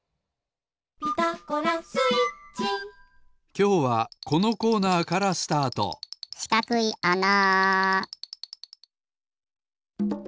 きょうはこのコーナーからスタートしかくいあな！